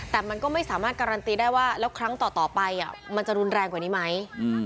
แต่มันก็ไม่สามารถการันตีได้ว่าแล้วครั้งต่อไปมันจะรุนแรงกว่านี้ไหม